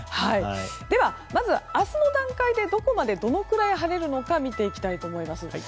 では、明日の段階でどこまで、どのぐらい晴れるのか見ていきたいと思います。